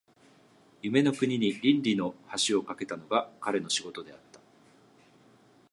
夢の国に論理の橋を架けたのが彼の仕事であった。